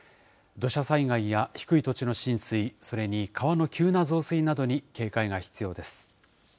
土砂災害や低い土地の浸水、それに川の急な増水などに警戒が必要です。